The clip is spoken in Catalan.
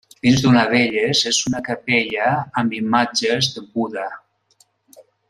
Dins una d'elles és una capella amb imatges de Buda.